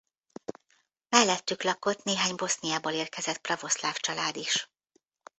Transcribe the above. Mellettük lakott néhány Boszniából érkezett pravoszláv család is.